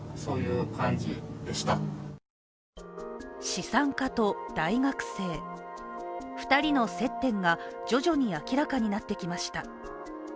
資産家と大学生、２人の接点が徐々に明らかになってきました。